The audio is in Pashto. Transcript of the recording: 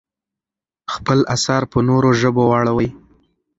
خپل اثار په نورو ژبو واړوئ.